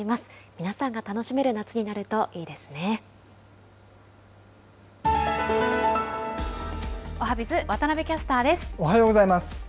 皆さんが楽しめる夏になるといいおはＢｉｚ、おはようございます。